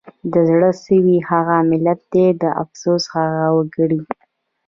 د زړه سوي هغه ملت دی د افسوس هغه وګړي